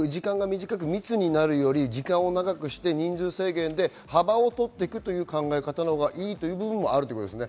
密になるより時間を長くして人数制限で幅を取っていく考え方のほうがいいという部分もあるんですね。